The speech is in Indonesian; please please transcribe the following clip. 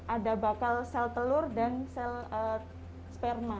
ada bakal sel telur dan sel sperma